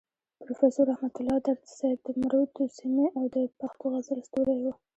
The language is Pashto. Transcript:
پروفيسور رحمت الله درد صيب د مروتو سيمې او د پښتو غزل ستوری وو.